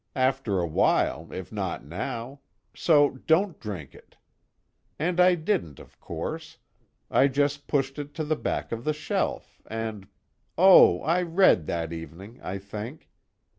After a while if not now. So don't drink it. And I didn't of course I just pushed it to the back of the shelf and oh, I read that evening, I think.